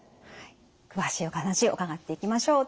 詳しいお話伺っていきましょう。